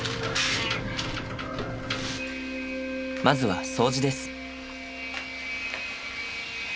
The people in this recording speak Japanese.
まずは掃除です。